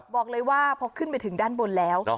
บอกเลยว่าพอขึ้นไปถึงด้านบนแล้ว